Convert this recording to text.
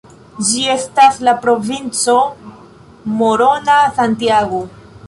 Ĝi estas en la provinco Morona-Santiago.